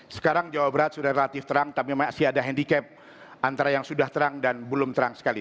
sekarang jawa barat sudah relatif terang tapi masih ada handicap antara yang sudah terang dan belum terang sekali